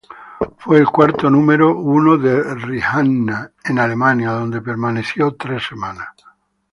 Fue el cuarto número uno de Rihanna en Alemania donde permaneció por tres semanas.